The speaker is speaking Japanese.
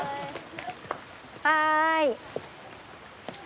はい。